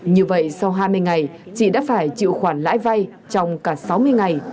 như vậy sau hai mươi ngày chị đã phải chịu khoản lãi vay trong cả sáu mươi ngày